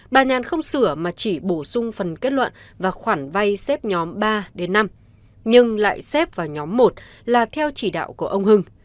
bà nhàn không sửa mà chỉ bổ sung phần kết luận và khoản vay xếp nhóm ba đến năm nhưng lại xếp vào nhóm một là theo chỉ đạo của ông hưng